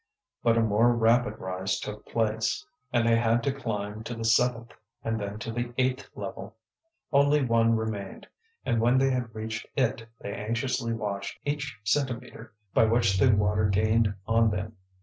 But a more rapid rise took place, and they had to climb to the seventh and then to the eighth level. Only one remained, and when they had reached it they anxiously watched each centimetre by which the water gained on them.